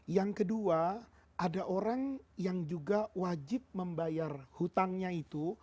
yang kedua ada orang yang juga wajib membayar hutangnya itu